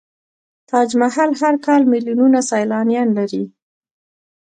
تاج محل هر کال میلیونونه سیلانیان لري.